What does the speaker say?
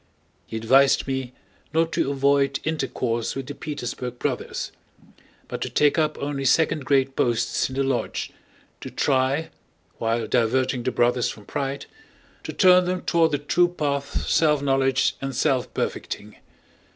He advised me not to avoid intercourse with the Petersburg Brothers, but to take up only second grade posts in the lodge, to try, while diverting the Brothers from pride, to turn them toward the true path self knowledge and self perfecting.